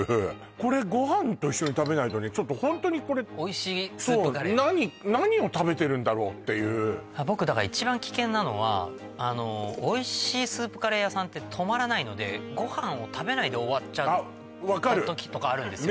これご飯と一緒に食べないとねちょっとホントにこれおいしいスープカレーそう何何を食べてるんだろうっていう僕だから一番危険なのはおいしいスープカレー屋さんって止まらないので時とかあるんですよ